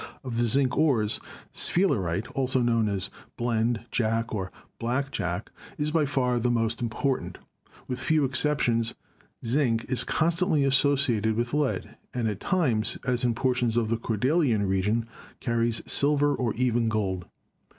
Of the zinc ores spha lerite (also known as blende, jack, or black jack) is by far the most important. With few exceptions, zinc is con stantly associated with lead, and at times, as in portions of the Cordilleran region, carries silver or even gold.